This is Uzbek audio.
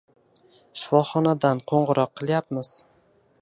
— Shifoxonadan qo‘ng‘iroq qilyapmiz…